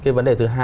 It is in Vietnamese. cái vấn đề thứ hai